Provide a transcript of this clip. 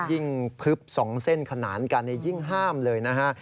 ยิ่งพลึบ๒เส้นขนานกันยิ่งห้ามเลยนะฮะ